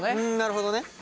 なるほどね。